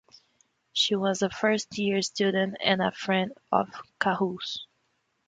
She was a first-year student and a friend of Kaho's.